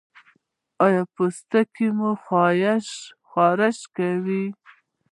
ایا پوستکی مو خارښ کوي؟